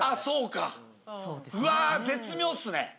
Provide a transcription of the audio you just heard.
そうかうわ絶妙っすね。